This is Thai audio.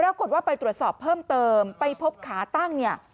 ปรากฏว่าไปตรวจสอบเพิ่มเติมไปพบขาตั้งเนี่ย